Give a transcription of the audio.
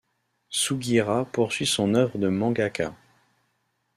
Sugiura poursuit son œuvre de mangaka.